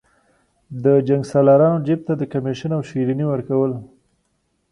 د جنګسالارانو جیب ته د کمېشن او شریني ورکول.